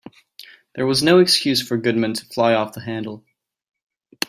There was no excuse for Goodman to fly off the handle.